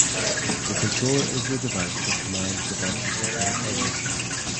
The controller is the device that commands devices to talk and listen.